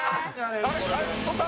取った？